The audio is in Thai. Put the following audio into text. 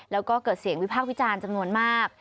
แล้วก็เกิดเสียงวิพากษ์วิจารณ์จำนวนมาก